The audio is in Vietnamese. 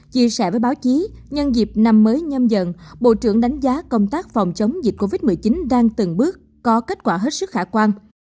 chia sẻ với báo chí nhân dịp năm mới nhâm dần bộ trưởng đánh giá công tác phòng chống dịch covid một mươi chín đang từng bước có kết quả hết sức khả quan